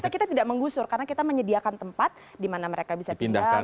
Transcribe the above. kita tidak menggusur karena kita menyediakan tempat di mana mereka bisa pindah